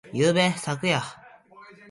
昨夜。ゆうべ。